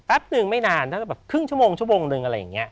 หนึ่งไม่นานถ้าแบบครึ่งชั่วโมงชั่วโมงนึงอะไรอย่างนี้